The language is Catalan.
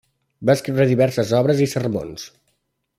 Va escriure diverses obres i sermons.